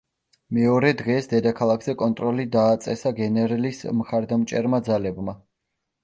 მეორე დღეს დედაქალაქზე კონტროლი დააწესა გენერლის მხარდამჭერმა ძალებმა.